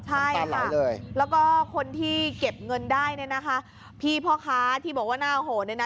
ใช่ค่ะแล้วก็คนที่เก็บเงินได้เนี่ยนะคะพี่พ่อค้าที่บอกว่าหน้าโหดเนี่ยนะ